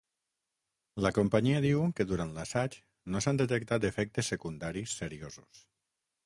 La companyia diu que durant l’assaig no s’han detectat efectes secundaris seriosos.